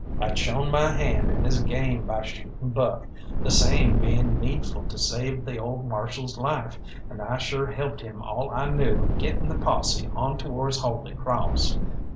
I'd shown my hand in this game by shooting Buck, the same being needful to save the old Marshal's life, and I sure helped him all I knew in getting the posse on towards Holy Crawss.